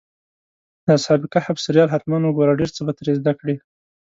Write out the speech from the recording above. د اصحاب کهف سریال حتماً وګوره، ډېر څه به ترې زده کړې.